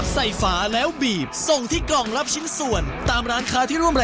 เบาแหด่งช่วยคนไทยสนาชีพปีสอง